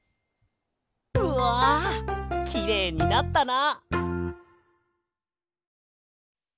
うわきれいになったな！